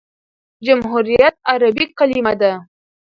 جمهوریت عربي کلیمه ده.